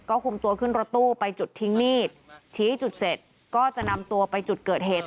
คุมตัวขึ้นรถตู้ไปจุดทิ้งมีดชี้จุดเสร็จก็จะนำตัวไปจุดเกิดเหตุ